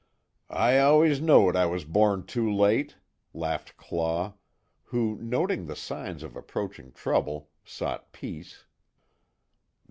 "I always know'd I was born too late," laughed Claw, who, noting the signs of approaching trouble, sought peace.